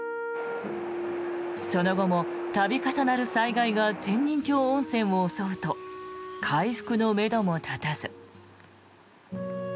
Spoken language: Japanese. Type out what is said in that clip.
その後も度重なる災害が天人峡温泉を襲うと回復のめども立たず。